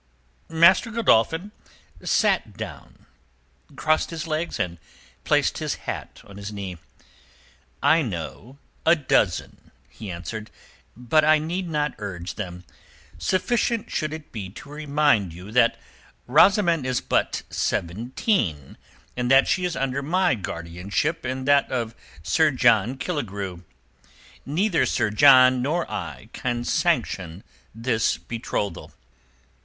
Master Godolphin sat down, crossed his legs and placed his hat on his knee. "I know a dozen," he answered. "But I need not urge them. Sufficient should it be to remind you that Rosamund is but seventeen and that she is under my guardianship and that of Sir John Killigrew. Neither Sir John nor I can sanction this betrothal."